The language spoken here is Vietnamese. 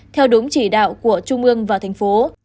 theo đúng chỉ đạo của trung ương và thành phố